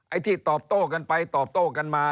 ที่ตอบโต้กันไปตอบโต้กันมา